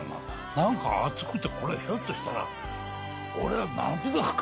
何か熱くてこれひょっとしたら俺は泣くのか？